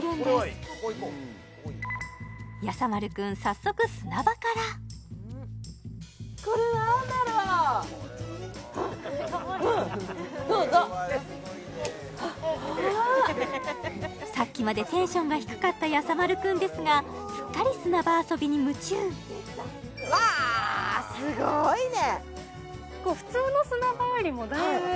丸くん早速砂場からさっきまでテンションが低かったやさ丸くんですがすっかり砂場遊びに夢中そうですよね